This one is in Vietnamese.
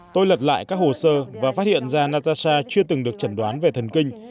tôi lật lại các hồ sơ và phát hiện ra natasa chưa từng được chẩn đoán về thần kinh